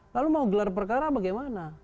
lalu mau gelar perkara bagaimana